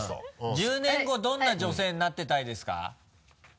１０年後どんな女性になってたいですか？